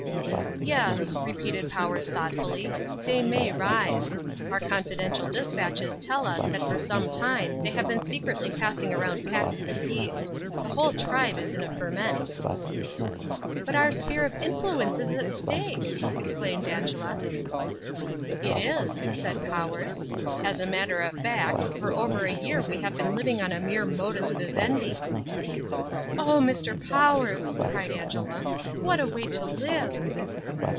"Yes," repeated Powers thoughtfully, "they may rise. Our confidential despatches tell us that for some time they have been secretly passing round packets of yeast. The whole tribe is in a ferment." "But our sphere of influence is at stake," exclaimed Angela. "It is," said Powers. "As a matter of fact, for over a year we have been living on a mere modus vivendi." "Oh, Mr. Powers," cried Angela, "what a way to live."